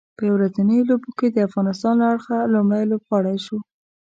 په یو ورځنیو لوبو کې د افغانستان له اړخه لومړی لوبغاړی شو